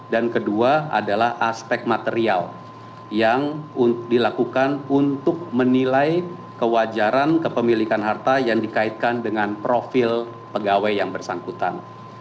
dan kedua adalah aspek material yang dilakukan untuk menilai kewajaran kepemilikan harta yang dikaitkan dengan profil pegawai yang bersangkutan